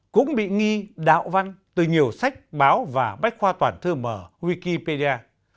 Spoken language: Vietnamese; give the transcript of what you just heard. cũng bị nghi đạo văn từ nhiều sách báo và bách khoa toàn thư mở wikipedia